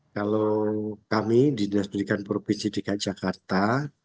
kalau kami dinas pendidikan provinsi dki jakarta